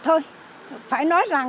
thôi phải nói rằng